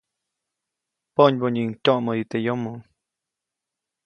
Ponybonyiʼuŋ tyoʼmäyu teʼ yomo.